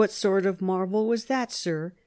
207 sort of marvel was that, sir ?